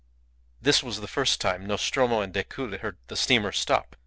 This was the first time Nostromo and Decoud heard the steamer stop.